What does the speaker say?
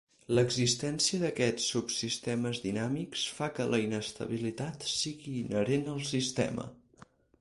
L'existència d'aquests subsistemes dinàmics fa que la inestabilitat sigui inherent al sistema.